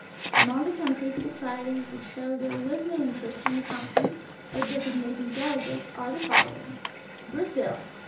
Among the countries and societies which showed their lively interest in the Conference by designating delegates are the fol lowing : BRAZIL.